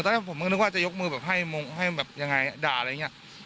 ตอนนี้ผมไม่คิดว่าจะยกมือแบบให้มงให้แบบยังไงด่าอะไรอย่างเงี้ย